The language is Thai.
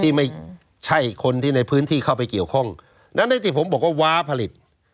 ที่ไม่ใช่คนที่ในพื้นที่เข้าไปเกี่ยวข้องนั้นที่ผมบอกว่าว้าผลิต